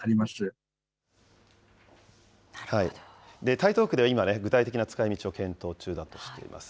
台東区では今、具体的な使い道を検討中だとしています。